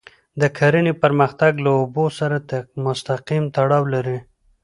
د کرهڼې پرمختګ له اوبو سره مستقیم تړاو لري.